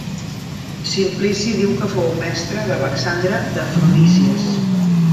Simplici diu que fou mestre d'Alexandre d'Afrodísies.